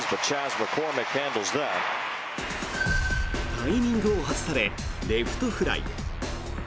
タイミングを外されレフトフライ。